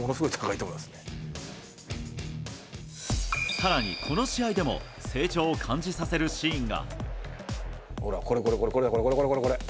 更に、この試合でも成長を感じさせるシーンが。